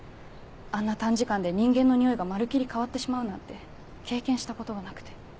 あんな短時間で人間の匂いがまるきり変わってしまうなんて経験したことがなくて。